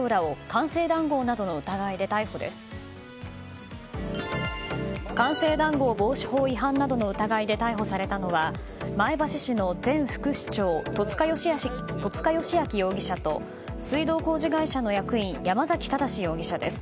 官製談合防止法違反などの疑いで逮捕されたのは前橋市の前副市長戸塚良明容疑者と水道工事会社の役員山崎正容疑者です。